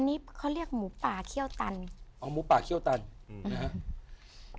นี่เขาเรียกหมูป่าเขี้ยวตันอ๋อหมูป่าเขี้ยวตันอืมนะฮะ